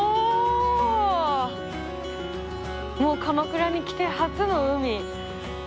鎌倉に来て初の海。